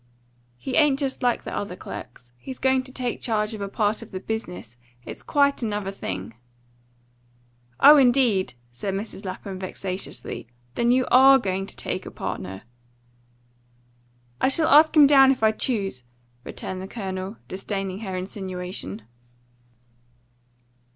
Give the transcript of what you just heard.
"He ain't just like the other clerks. He's going to take charge of a part of the business. It's quite another thing." "Oh, indeed!" said Mrs. Lapham vexatiously. "Then you ARE going to take a partner." "I shall ask him down if I choose!" returned the Colonel, disdaining her insinuation.